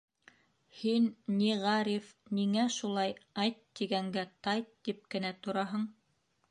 — Һин, ни, Ғариф, ниңә шулай, «айт!» тигәнгә «тайт!» тип кенә тораһың?